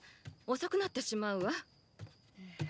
遅くなってしまうわ。